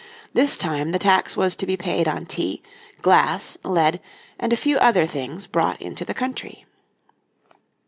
This time the tax was to be paid on tea, glass, lead and a few other things brought into the country.